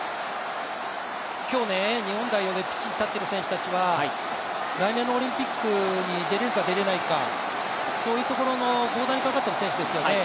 今日日本代表でピッチに立っている選手は、来年のオリンピックに出れるか、出れないか、そういうところのボーダーにかかってる選手ですよね。